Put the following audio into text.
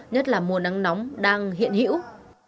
nhất là mùa nắng nóng đang hiện hữu